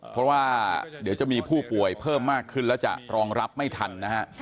เพราะว่าเดี๋ยวจะมีผู้ป่วยเพิ่มมากขึ้นแล้วจะรองรับไม่ทันนะฮะ